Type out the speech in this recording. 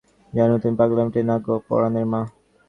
পাড়ার লোক বলে, বৌ তোমাদের যেন একটু পাগলাটে, না গো পরাণের মা?